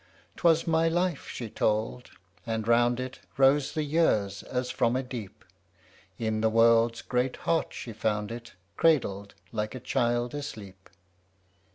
'Twas my life she told, and round it Rose the years as from a deep; In the world's great heart she found it, Cradled like a child asleep.